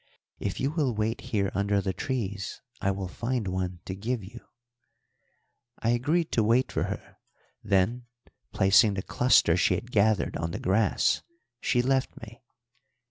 "If you will wait here under the trees I will find one to give you." I agreed to wait for her; then, placing the cluster she had gathered on the grass, she left me.